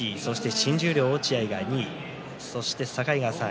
新十両の落合が２位境川さん